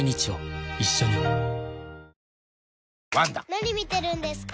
・何見てるんですか？